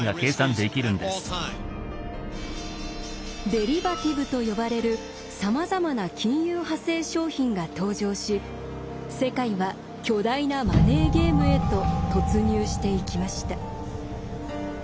「デリバティブ」と呼ばれるさまざまな金融派生商品が登場し世界は巨大なマネーゲームへと突入していきました。